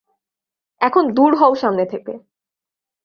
এখন দুর হও সামনে থেকে।